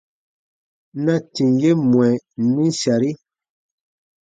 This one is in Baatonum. Na tìm ye mwɛ nim sari :